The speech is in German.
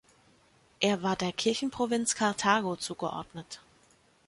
Er war der Kirchenprovinz Karthago zugeordnet.